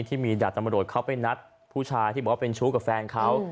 ที่มีดาบตำรวจเขาไปนัดผู้ชายที่บอกว่าเป็นชู้กับแฟนเขา